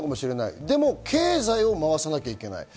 ただ経済を回さなきゃいけない。